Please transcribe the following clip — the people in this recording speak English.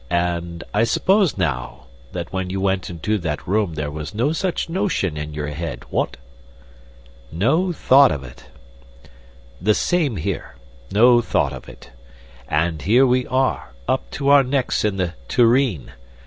I suppose, now, when you went into that room there was no such notion in your head what?" "No thought of it." "The same here. No thought of it. And here we are, up to our necks in the tureen.